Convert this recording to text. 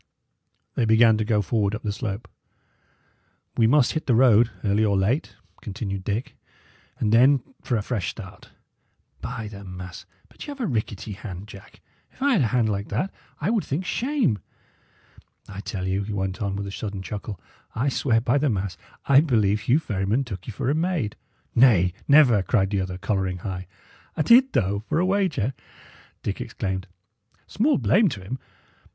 They began to go forward up the slope. "We must hit the road, early or late," continued Dick; "and then for a fresh start. By the mass! but y' 'ave a rickety hand, Jack. If I had a hand like that, I would think shame. I tell you," he went on, with a sudden chuckle, "I swear by the mass I believe Hugh Ferryman took you for a maid." "Nay, never!" cried the other, colouring high. "A' did, though, for a wager!" Dick exclaimed. "Small blame to him.